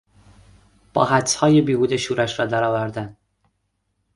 با حدسهای بیهوده شورش را درآوردن